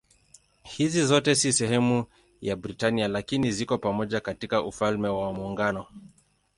Hizi zote si sehemu ya Britania lakini ziko pamoja katika Ufalme wa Muungano.